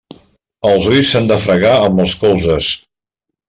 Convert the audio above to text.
Els ulls s'han de fregar amb els colzes.